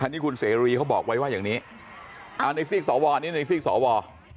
อันนี้คุณเสรีเขาบอกไว้ว่าอย่างนี้อ้าวในสี่สิกศาวรอันนี้ในสี่สิกศาวร